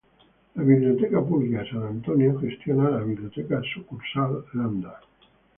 La Biblioteca Pública de San Antonio gestiona la Biblioteca Sucursal Landa.